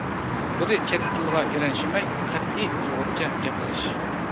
بىرى چەت تىلىغا ئېرەنشىمەي قەتئىي ئۇيغۇرچە گەپ قىلىش.